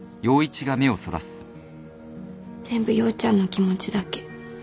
全部陽ちゃんの気持ちだけ。